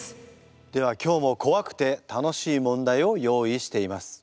では今日も怖くて楽しい問題を用意しています。